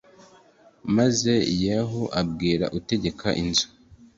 maze yehu abwira utegeka inzu